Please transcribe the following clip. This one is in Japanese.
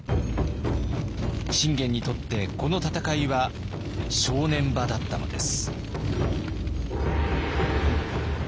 信玄にとってこの戦いは正念場だったのです。